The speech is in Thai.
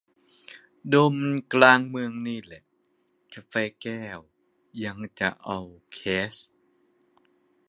โดนมันกลางเมืองนี่แหละ กาแฟแก้ว ยังจะเอาแคช